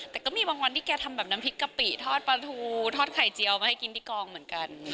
แต่ก็มีบางวันที่แกทำแบบน้ำพริกกะปิทอดปลาทูทอดไข่เจียวมาให้กินที่กองเหมือนกัน